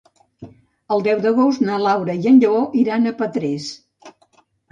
El deu d'agost na Laura i en Lleó iran a Petrés.